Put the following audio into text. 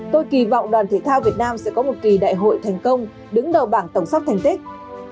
tôi kỳ vọng đoàn thể thao việt nam sẽ có một kỳ đại hội thành công đứng đầu bảng tổng sắp thành tích